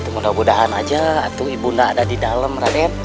mudah mudahan saja ibu nda ada di dalam raden